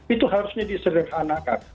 itu harusnya disederhanakan